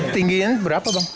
tingginya berapa bang